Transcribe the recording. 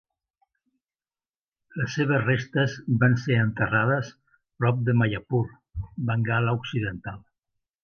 Les seves restes van ser enterrades prop de Mayapur, Bengala Occidental.